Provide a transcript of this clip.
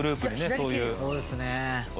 そうですね。